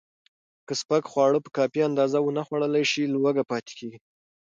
که سپک خواړه په کافي اندازه ونه خورل شي، لوږه پاتې کېږي.